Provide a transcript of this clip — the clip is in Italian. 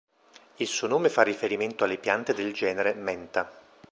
Il suo nome fa riferimento alle piante del genere "Mentha".